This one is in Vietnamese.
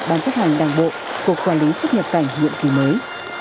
ban chức hành đảng bộ cục quản lý xuất nhập cảnh nhiệm ký mới